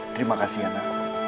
terima kasih ana